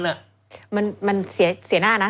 มันเสียหน้านะ